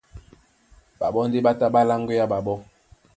Ɓaɓɔ́ ndé ɓá tá ɓá láŋgwea ɓaɓó.